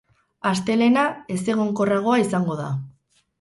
Astelehena ezegonkorragoa izango da.